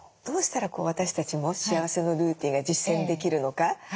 どうしたら私たちも幸せのルーティンが実践できるのか？